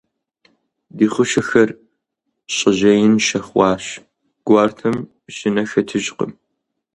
Ди хъушэхэр щӀэжьеиншэ хъуащ, гуартэм щынэ хэтыжкъым.